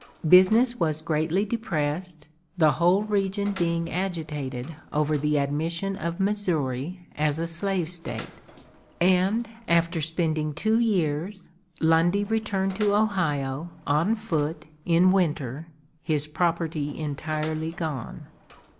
Business was greatly depressed, the whole region being agitated over the admission of Missouri as a slave State; and, after spending two years, Lundy returned to Ohio, on foot, in winter, his property entirely gone.